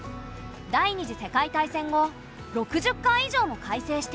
第２次世界大戦後６０回以上も改正している。